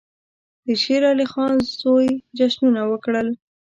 د شېر علي خان زوی جشنونه وکړل.